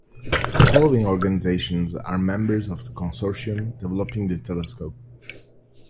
The following organizations are members of the consortium developing the telescope.